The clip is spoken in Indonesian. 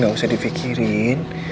gak usah difikirin